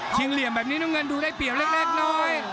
เหลี่ยมแบบนี้น้ำเงินดูได้เปรียบเล็กน้อย